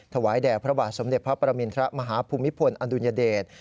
ถวายแด่พระบาทสมเด็จพระประมินทรมาฮภูมิพลอดุลยเดช